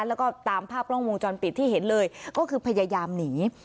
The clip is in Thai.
แล้วก็ตามภาพกล้องวงจรปิดที่เห็นเลยก็คือพยายามหนี